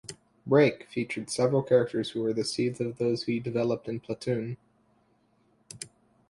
"Break" featured several characters who were the seeds of those he developed in "Platoon".